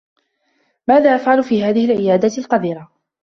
ماذا أفعل في هذه العيادة القذرة؟